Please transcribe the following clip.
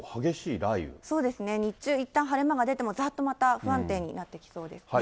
そうですね、日中いったん晴れ間が出ても、ざっとまた不安定になってきそうですね。